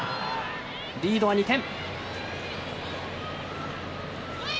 リードは２点。